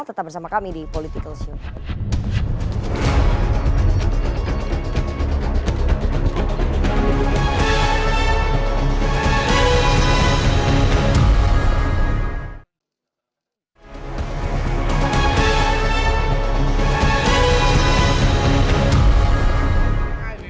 tetap bersama kami di politikalshow